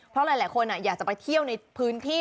เพราะหลายคนอยากจะไปเที่ยวในพื้นที่